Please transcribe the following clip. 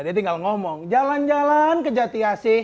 dia tinggal ngomong jalan jalan ke jatiasi